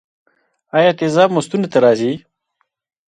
ایا تیزاب مو ستوني ته راځي؟